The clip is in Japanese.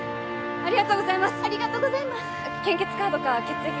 ありがとうございます・